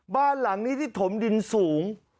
บ้านหลังนี้ที่ถมดินสูง